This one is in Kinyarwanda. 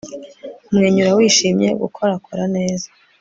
umwenyura wishimye, gukorakora neza